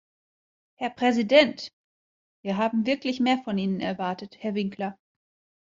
Herr Präsident! Wir haben wirklich mehr von Ihnen erwartet, Herr Winkler.